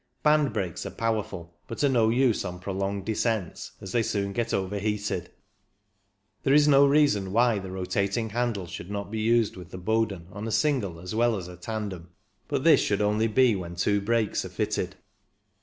Band brakes are powerful, but are no use on prolonged descents, as they soon get over heated. There is no reason why the rotating handle should not be used with the Bowden on a single as well as a tandem, PURELY MECHANICAL 231 but this should only be when two brakes are fitted.